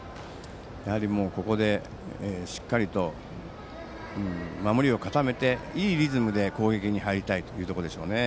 ここでしっかりと守りを固めていいリズムで攻撃に入りたいというところでしょうね。